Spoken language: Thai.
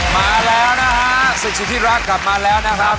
มาแล้วนะฮะศึกสุธิรักษ์กลับมาแล้วนะครับ